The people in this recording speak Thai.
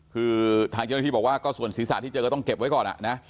คือทางเจ้าหน้าที่บอกว่าก็ส่วนศีรษะที่เจอก็ต้องเก็บไว้ก่อนนะ